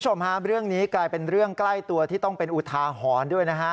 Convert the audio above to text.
คุณผู้ชมฮะเรื่องนี้กลายเป็นเรื่องใกล้ตัวที่ต้องเป็นอุทาหรณ์ด้วยนะฮะ